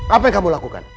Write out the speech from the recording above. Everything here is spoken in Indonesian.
apa yang kamu lakukan